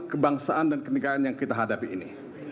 kebangsaan dan kenegaraan yang kita hadapi ini